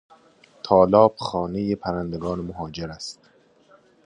تالاب خانه پرندگان مهاجر است.